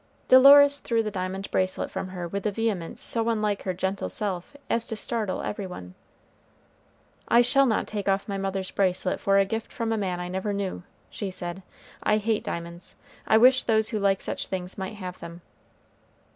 Dolores threw the diamond bracelet from her with a vehemence so unlike her gentle self as to startle every one. "I shall not take off my mother's bracelet for a gift from a man I never knew," she said. "I hate diamonds. I wish those who like such things might have them."